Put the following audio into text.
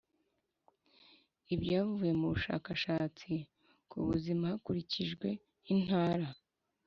Ibyavuye mu bushakashatsi ku buzima hakurikijwe intara